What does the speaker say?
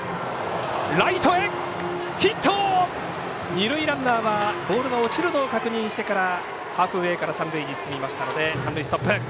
二塁ランナーはボールが落ちるのを確認してハーフウエーから三塁に進んで三塁ストップ。